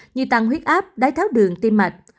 như tăng huyết áp đáy tháo đường tim mạch